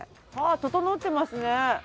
整ってますね。